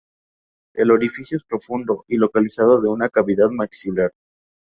El orificio es profundo y localizado en una cavidad maxilar.